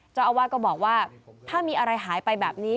เจ้าอาวาสก็บอกว่าถ้ามีอะไรหายไปแบบนี้